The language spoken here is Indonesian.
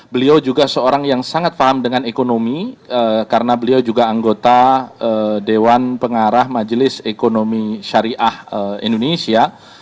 beliau juga seorang yang sangat paham dengan ekonomi karena beliau juga anggota dewan pengarah majelis ekonomi syariah indonesia